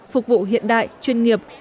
phục vụ hiện đại chuyên nghiệp